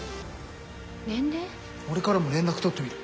俺からも連絡取ってみる。